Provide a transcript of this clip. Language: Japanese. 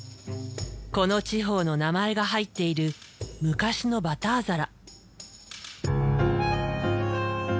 この地方の名前が入っている昔のバター皿。